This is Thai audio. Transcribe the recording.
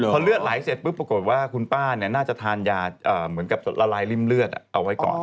พอเลือดไหลเสร็จปุ๊บปรากฏว่าคุณป้าน่าจะทานยาเหมือนกับละลายริ่มเลือดเอาไว้ก่อน